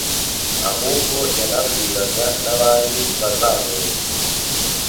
ahubwo yanabwiraga n'abandi bazamwumva.